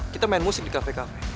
kita main musik di kafe kafe